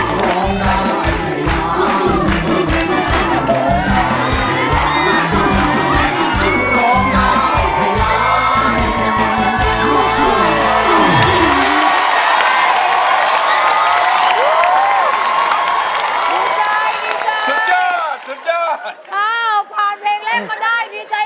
ร้องได้หรือว่าร้องผิดครับ